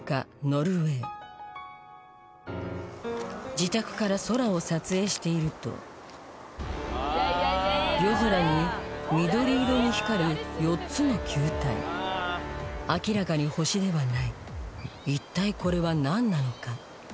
自宅から空を撮影していると夜空に緑色に光る４つの球体明らかに星ではない一体これは何なのか？